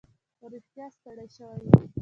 خو رښتیا ستړی شوی یم.